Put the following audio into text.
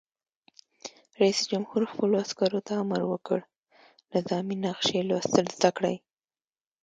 رئیس جمهور خپلو عسکرو ته امر وکړ؛ نظامي نقشې لوستل زده کړئ!